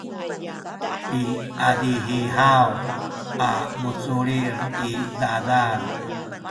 piazihi haw a muculil i zazan